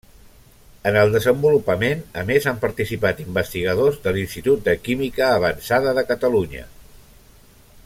En el desenvolupament a més han participat investigadors de l'Institut de Química Avançada de Catalunya.